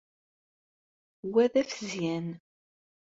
Wa d afezyan.